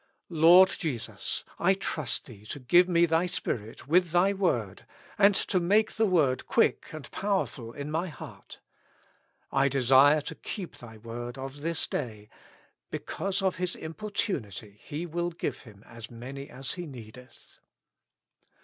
Lord Jesus ! I trust Thee to give me Thy Spirit with Thy Word, and to make the Word quick and powerful in my heart. I desire to keep Thy Word of this day: " Because of his importunity he will give him as many as he needeth."